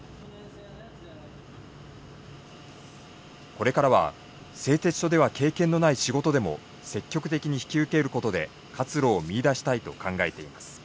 これからは製鉄所では経験のない仕事でも積極的に引き受けることで活路を見いだしたいと考えています。